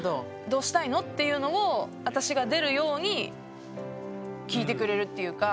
どうしたいの？っていうのを私が出るように聞いてくれるっていうか。